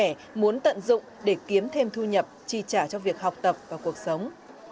các trẻ muốn tận dụng để kiếm thêm thu nhập chi trả cho việc học tập và cuộc sống